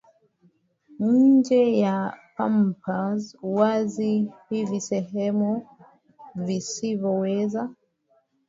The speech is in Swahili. nje ya pampas wazi hivyo sehemu zisizoweza